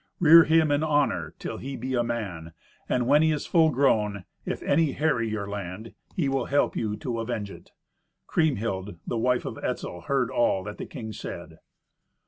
Rear him in honour till he be a man, and when he is full grown, if any harry your land, he will help you to avenge it." Kriemhild, the wife of Etzel, heard all that the king said.